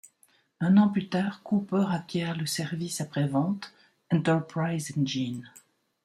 Un an plus tard, Cooper acquiert le service après-vente Enterprise Engine.